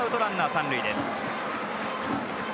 ３塁です。